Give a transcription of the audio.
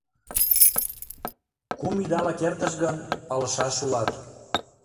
— Кум идалык эртыш гын, палышаш улат.